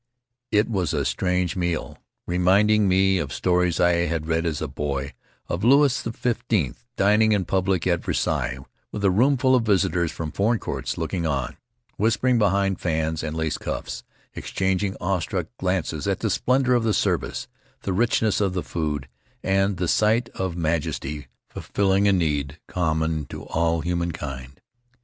It was a strange Rutiaro meal, reminding me of stories I had read as a boy, of Louis XV dining in public at Versailles, with a roomful of visitors from foreign courts looking on; whispering behind fans and lace cuffs; exchanging awestruck glances at the splendor of the service, the richness of the food, and the sight of majesty fulfilling a need common to all humankind.